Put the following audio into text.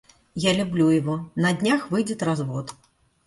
Я люблю его, на-днях выйдет развод.